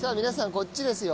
こっちですよ。